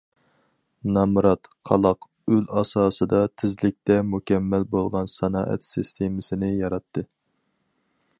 نامرات، قالاق ئۇل ئاساسىدا تېزلىكتە مۇكەممەل بولغان سانائەت سىستېمىسىنى ياراتتى.